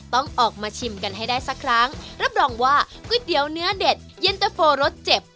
ต้องออกมาชิมกันให้ได้สักครั้งรับรองว่าก๋วยเตี๋ยวเนื้อเด็ดเย็นเตอร์โฟรสเจ็บ